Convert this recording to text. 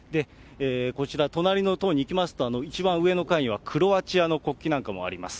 こちら、隣の棟に行きますと、一番上の階にはクロアチアの国旗なんかもあります。